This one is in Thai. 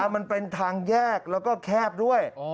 มันเป็นทางแยกแล้วก็แคบด้วย